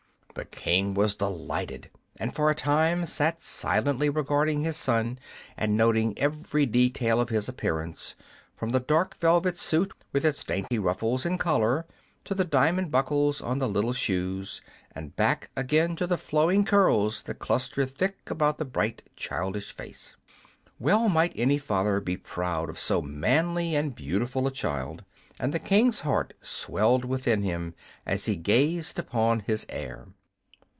The King was delighted, and for a time sat silently regarding his son and noting every detail of his appearance, from the dark velvet suit with its dainty ruffles and collar to the diamond buckles on the little shoes, and back again to the flowing curls that clustered thick about the bright, childish face. Well might any father be proud of so manly and beautiful a child, and the King's heart swelled within him as he gazed upon his heir.